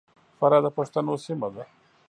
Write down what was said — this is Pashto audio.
فراه د پښتنو سیمه ده.